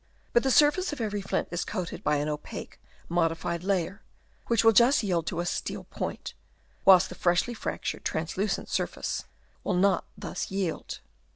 But the surface of every flint is coated by an opaque modified layer, which will just yield to a steel point, whilst the freshly fractured, translucent surface will not thus yield.